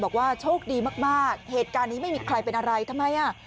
บอกว่าโชคดีมากเหตุการณ์นี้ไม่มีใครเป็นอะไรทำไมอ่ะ